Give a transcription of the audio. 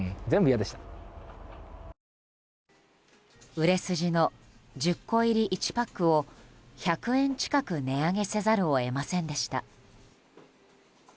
売れ筋の１０個入り１パックを１００円近く値上げせざるを得ませんでした。